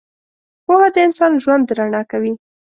• پوهه د انسان ژوند رڼا کوي.